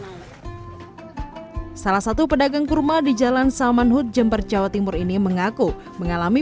salah satu pedagang kurma di jalan samanhut jember jawa timur ini mengaku mengalami